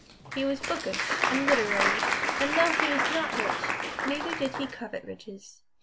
He was "bookish" and literary, and though he was not rich, neither did he covet riches.